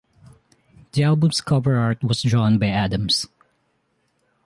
The album's cover art was drawn by Adams.